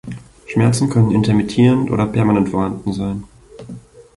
Schmerzen können intermittierend oder permanent vorhanden sein.